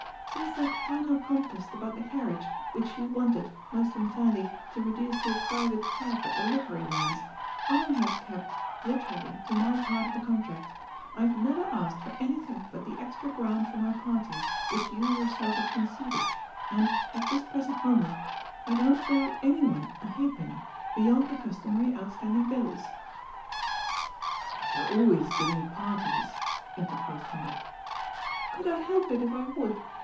Since that final contest about the carriage, which you wanted, most unfairly, to reduce to a private cab at the liveryman's, I have kept, literally, to my part of the contract I have never asked f oi anything but the extra grant for my parties, which you yourself had conceded, and, at this present mo ment, I do not owe anyone a halfpenny, beyond the cus tomary outstanding bills." TWO RIGHTS AND NO WRONG. 291 ^' But you are always giving parties,'' interposed Hen drik. "Could I help it, if I would?